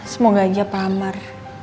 semoga aja pak amar